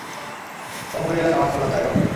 ও মহিলা সমাজ কল্যাণ চালায়, বাবু।